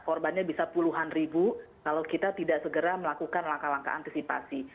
korbannya bisa puluhan ribu kalau kita tidak segera melakukan langkah langkah antisipasi